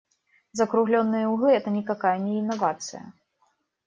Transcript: Закруглённые углы - это никакая не инновация.